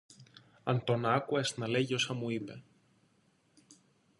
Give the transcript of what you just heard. Αν τον άκουες να λέγει όσα μου είπε.